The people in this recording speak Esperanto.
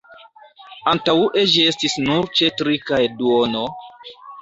Antaŭe ĝi estis nur ĉe tri kaj duono.